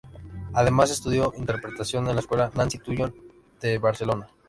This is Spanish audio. Además estudió interpretación en la Escuela Nancy Tuñón de Barcelona.